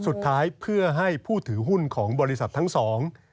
สุดท้ายเพื่อให้ผู้ถือหุ้นของบริษัททั้งสอง